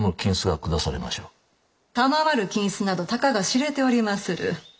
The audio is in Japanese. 賜る金子などたかが知れておりまする。